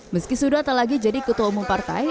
meski sudah tak lagi jadi ketua umum partai